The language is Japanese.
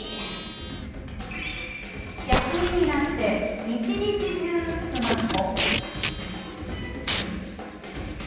休みになって、一日中スマホ。